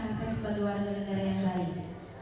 karena saya sebagai warga negara yang baik